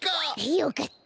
よかった。